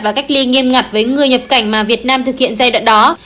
và cách ly nghiêm ngặt với người nhập cảnh mà việt nam thực hiện giai đoạn đó